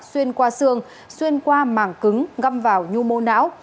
xuyên qua xương xuyên qua màng cứng ngâm vào nhu mô não